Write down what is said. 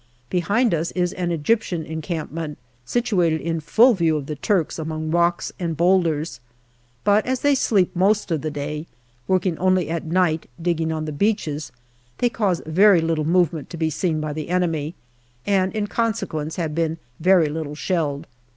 Behind us is an Egyptian encampment, situated in full view of the Turks among rocks and boulders. But as they sleep most of the day, working only at night digging on the beaches, they cause very little movement to be seen by the enemy, and in consequence have been very little shelled.